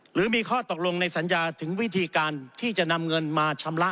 หรือมีข้อตกลงในสัญญาถึงวิธีการที่จะนำเงินมาชำระ